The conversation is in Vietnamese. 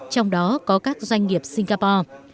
trong đó có các doanh nghiệp singapore